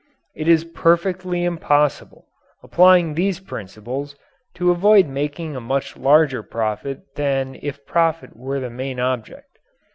(It is perfectly impossible, applying these principles, to avoid making a much larger profit than if profit were the main object.)